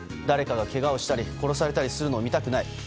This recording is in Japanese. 誰かがけがをしたり殺されたりするのを見たくない。